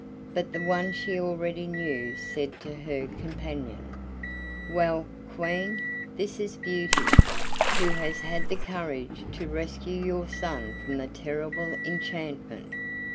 But the one she already knew said to her companion: "Well, Queen, this is Beauty, who has had the courage to rescue your son from the terrible enchantment.